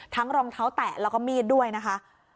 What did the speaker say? รองเท้าแตะแล้วก็มีดด้วยนะคะ